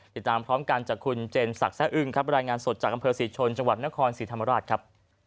ติดตามพร้อมกันจากคุณเจนศักดิ์แซ่อึ้งครับรายงานสดจากอำเภอศรีชนจังหวัดนครศรีธรรมราชครับ